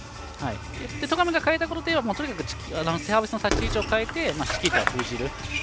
戸上が変えたことといえばとにかくサービスの出す位置を変えてチキータを封じる。